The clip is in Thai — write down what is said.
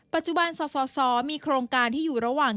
ปัจจุบันสสมีโครงการที่อยู่ระหว่าง